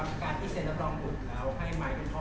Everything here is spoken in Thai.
เอาเข้าให้ไม่กับท่อในฐานะก่อที่จะเป็นอุเปส